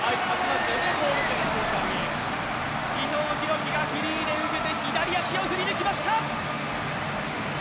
伊藤洋輝がフリーで抜けて左足を振り抜きました！